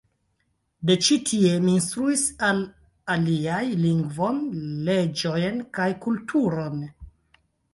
De ĉi tie ni instruis al aliaj lingvon, leĝojn kaj kulturon.